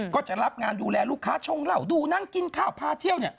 ก็จะรับงานดูแลลูกค้าชงเหล้าดูนั่งกินข้าวพาเที่ยว